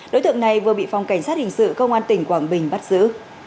đối tượng này vừa bị phòng cảnh sát hình sự công an tỉnh quảng bình bắt giữ